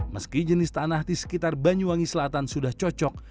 meski jenis tanah di sekitar banyuwangi selatan sudah cocok